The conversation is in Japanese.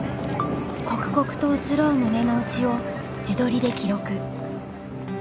刻々と移ろう胸の内を自撮りで記録。